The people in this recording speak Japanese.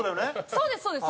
そうですそうです。